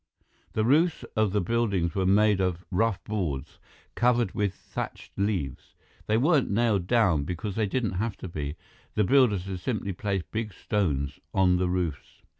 The roofs of the buildings were made of rough boards, covered with thatched leaves. They weren't nailed down because they didn't have to be. The builders had simply placed big stones on the roofs.